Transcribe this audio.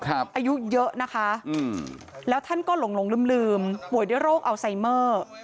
อายุเยอะนะคะแล้วท่านก็หลงลืมป่วยด้วยโรคอัลไซเมอร์